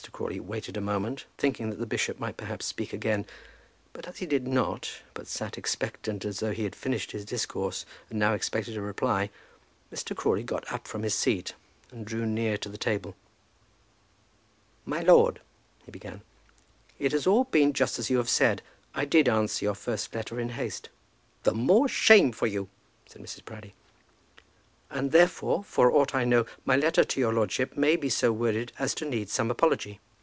Crawley waited a moment, thinking that the bishop might perhaps speak again; but as he did not, but sat expectant as though he had finished his discourse, and now expected a reply, Mr. Crawley got up from his seat and drew near to the table. "My lord," he began, "it has all been just as you have said. I did answer your first letter in haste." "The more shame for you," said Mrs. Proudie. "And therefore, for aught I know, my letter to your lordship may be so worded as to need some apology."